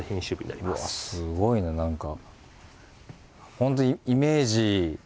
すごいな何か。